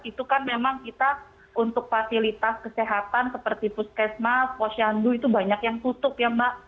itu kan memang kita untuk fasilitas kesehatan seperti puskesmas posyandu itu banyak yang tutup ya mbak